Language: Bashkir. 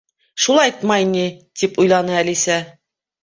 «Шулайтмай ни!» —тип уйланы Әлисә.